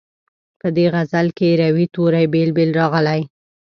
په دې غزل کې روي توري بېل بېل راغلي.